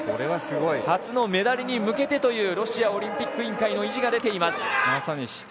初のメダルに向けてというロシアオリンピック委員会の意地が出ています。